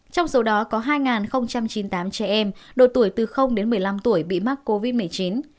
trong số đó có hai chín mươi tám trẻ em độ tuổi từ đến một mươi năm tuổi bị mắc covid một mươi chín